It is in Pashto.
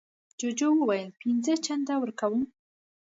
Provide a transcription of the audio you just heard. جوجو وویل پینځه چنده ورکوم.